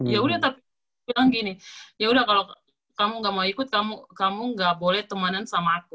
ya udah tapi bilang gini yaudah kalau kamu gak mau ikut kamu gak boleh teman sama aku